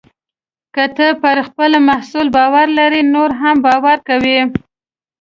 که ته پر خپل محصول باور لرې، نور هم باور کوي.